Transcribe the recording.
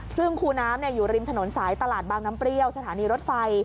ซึ่งคูน้ำอยู่ริมถนนสายตลาดบางน้ำเปรี้ยวสถานีรถไฟ